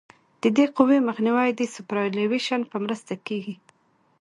د دې قوې مخنیوی د سوپرایلیویشن په مرسته کیږي